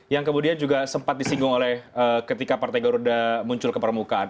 yang kemudian juga sempat disinggung oleh ketika partai garuda muncul ke permukaan